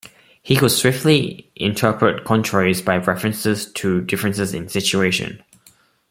He could swiftly interpret contraries by references to differences in situation.